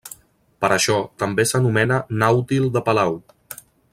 Per això, també s'anomena Nàutil de Palau.